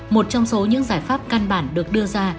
một trong số những giải pháp căn bản được đưa ra